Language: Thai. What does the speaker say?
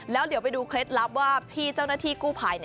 แล้วเดี๋ยวไปดูเคล็ดลับว่าพี่เจ้าหน้าที่กู้ภัย